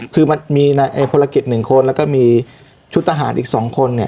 คือมันมีน่ะไอ้ภละกิจหนึ่งคนแล้วก็มีชุดทหารอีกสองคนเนี่ย